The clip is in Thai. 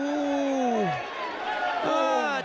อู้ยอู้ย